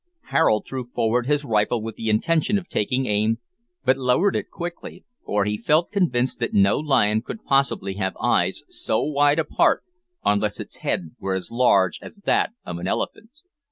Harold threw forward his rifle with the intention of taking aim, but lowered it quickly, for he felt convinced that no lion could possibly have eyes so wide apart unless its head were as large as that of an elephant.